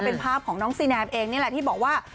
เป็นภาพของน้องซีแนมเองนี่แหละที่บอกว่า